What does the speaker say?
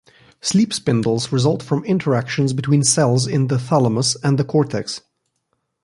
Sleep spindles result from interactions between cells in the thalamus and the cortex.